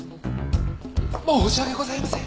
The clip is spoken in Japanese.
申し訳ございません！